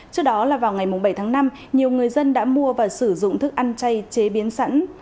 trước đó là vào ngày bảy tháng năm nhiều người dân đã mua và sử dụng thức ăn chay chế biến sẵn